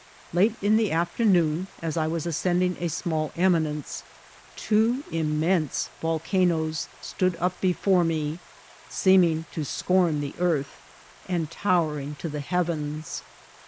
Late in the afternoon, as I was ascending a small eminence, two immense vol canoes stood up before me, seeming to s6om the earth, and towering to the heavens.